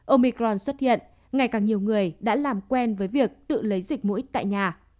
omicron xuất hiện ngày càng nhiều người đã làm quen với việc tự lấy dịch mũi tại nhà